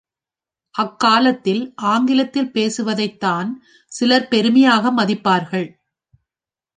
அக்காலத்தில் ஆங்கிலத்தில் பேசுவதைத்தான் சிலர் பெருமையாக மதிப்பார்கள்.